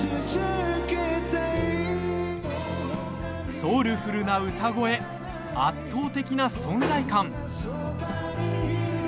ソウルフルな歌声圧倒的な存在感。